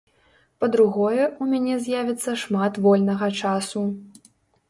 Па-другое, у мяне з'явіцца шмат вольнага часу.